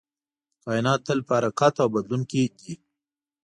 کائنات تل په حرکت او بدلون کې دی.